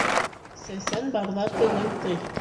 Сәсән барҙа телең тый.